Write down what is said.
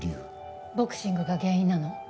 ボクシングが原因なの？